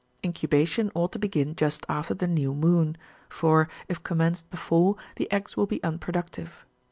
* Incubation ought to begin just after the new moon ; for, if commenced before, the eggs will be un productive.